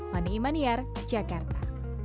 mani iman iyar jakarta